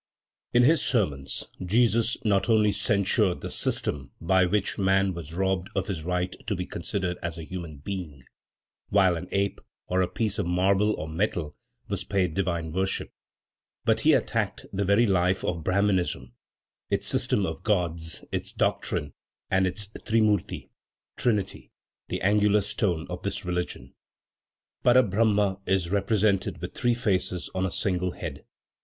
In his sermons Jesus not only censured the system by which man was robbed of his right to be considered as a human being, while an ape or a piece of marble or metal was paid divine worship, but he attacked the very life of Brahminism, its system of gods, its doctrine and its "trimurti" (trinity), the angular stone of this religion. Para Brahma is represented with three faces on a single head.